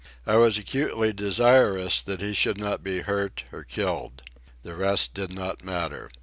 I was acutely desirous that he should not be hurt or killed. The rest did not matter.